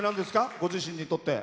ご自身にとって。